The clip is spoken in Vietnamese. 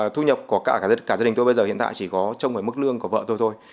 thu nhập của cả gia đình tôi bây giờ hiện tại chỉ có trong mức lương của vợ tôi thôi